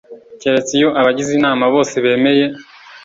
Keretse iyo abagize inama bose bemeye